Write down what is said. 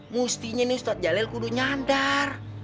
mustinya nih ustadz jalil kudu nyadar